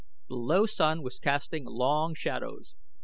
The low sun was casting long shadows.